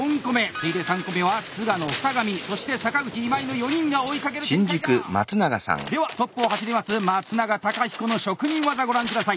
次いで３個目は菅野二神そして坂口今井の４人が追いかける展開だ！ではトップを走ります松永貴彦の職人技ご覧ください！